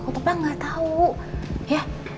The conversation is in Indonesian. kutipan gak tau ya